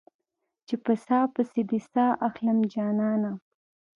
چې په ساه پسې دې ساه اخلم جانانه